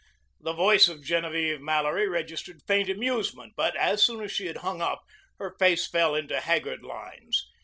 The voice of Genevieve Mallory registered faint amusement, but as soon as she had hung up, her face fell into haggard lines.